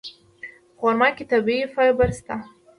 په خرما کې طبیعي فایبر شته.